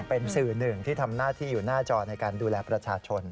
เป็นสื่อหนึ่งที่ทำหน้าที่อยู่หน้าจอในการดูแลประชาชน